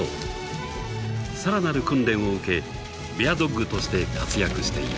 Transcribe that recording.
［さらなる訓練を受けベアドッグとして活躍している］